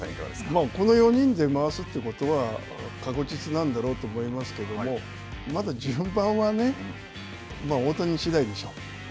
まあ、この４人で回すということは、確実なんだろうと思いますけども、まだ順番はね、大谷次第でしょう。